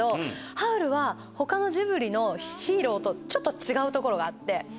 ハウルは他のジブリのヒーローとちょっと違うところがあって。